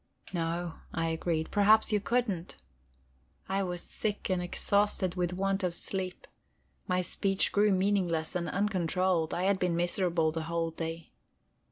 "No," I agreed; "perhaps you couldn't." I was sick and exhausted with want of sleep, my speech grew meaningless and uncontrolled; I had been miserable the whole day.